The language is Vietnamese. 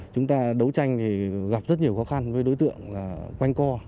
chúng ta đấu tranh thì gặp rất nhiều khó khăn với đối tượng là quanh co